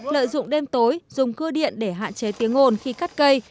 lợi dụng đêm tối dùng cưa điện để hạn chế tiếng ồn khi cắt cây